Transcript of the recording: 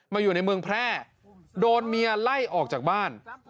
อยู่ในเมืองแพร่โดนเมียไล่ออกจากบ้าน